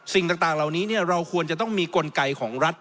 สิ่งต่างเหล่านี้เราควรจะต้องมีกลไกของรัฐ